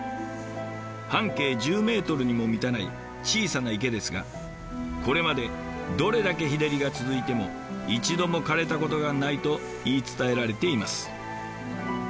半径１０メートルにも満たない小さな池ですがこれまでどれだけ日照りが続いても一度もかれたことがないと言い伝えられています。